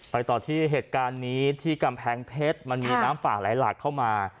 ต่อที่เหตุการณ์นี้ที่กำแพงเพชรมันมีน้ำป่าไหลหลากเข้ามา